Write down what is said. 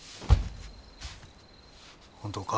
本当か？